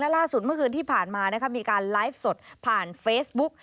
ล่าสุดเมื่อคืนที่ผ่านมามีการไลฟ์สดผ่านเฟซบุ๊ก